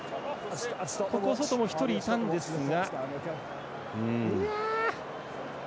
外も１人いたんですが。